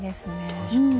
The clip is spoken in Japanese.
確かに。